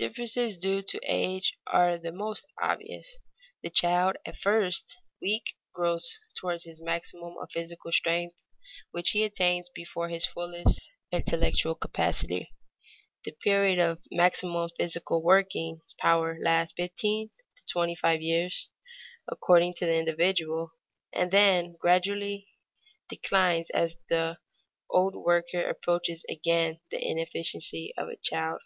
_ Differences due to age are the most obvious. The child, at first weak, grows toward his maximum of physical strength, which he attains before his fullest intellectual capacity. The period of maximum physical working power lasts fifteen to twenty five years according to the individual, and then gradually declines as the old worker approaches again the inefficiency of the child.